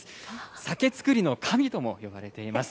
酒造りの神とも呼ばれています。